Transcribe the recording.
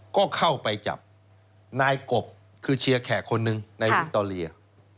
ก็เข้าไปจับนายกบคือเชียร์แขกคนหนึ่งในวิคโตเรีย